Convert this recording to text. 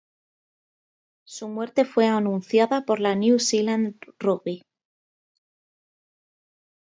Su muerte fue anunciada por la New Zealand Rugby.